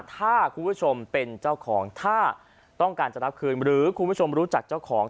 ถ้าคุณผู้ชมเป็นเจ้าของถ้าต้องการจะรับคืนหรือคุณผู้ชมรู้จักเจ้าของ